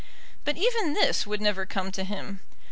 But even this would never come to him.